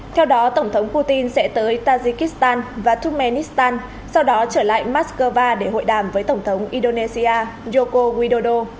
theo đó tổng thống putin sẽ tới tajikistan và tukhenistan sau đó trở lại moscow để hội đàm với tổng thống indonesia joko widodo